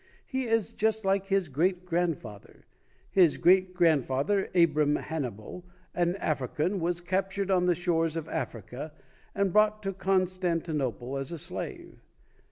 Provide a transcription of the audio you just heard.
He is just like his great grandfather. His great grandfather, Abram Hannibal, an African, was captured on the shores of Africa and brought to Constantinople as a slave.